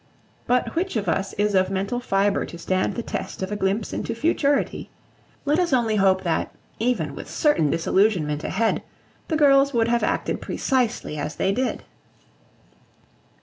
But which of us is of mental fibre to stand the test of a glimpse into futurity? Let us only hope that, even with certain disillusionment ahead, the girls would have acted precisely as they did.